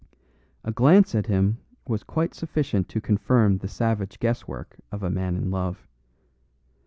A glance at him was quite sufficient to confirm the savage guesswork of a man in love.